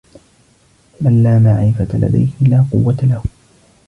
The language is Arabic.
مَن لا معرفة لديه لا قوة له.